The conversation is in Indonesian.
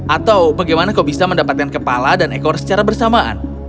atau bagaimana kau bisa mendapatkan kepala dan ekor secara bersamaan